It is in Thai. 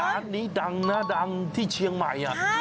ร้านนี้ดังนะดังที่เชียงใหม่